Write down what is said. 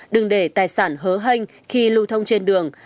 đừng để tài sản hớ hênh khi lưu thông trên đường